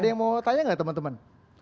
ada yang mau tanya nggak teman teman